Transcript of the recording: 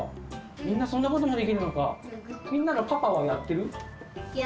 みんなそんなこともできるのか。